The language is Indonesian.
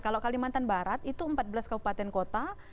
kalau kalimantan barat itu empat belas kabupaten kota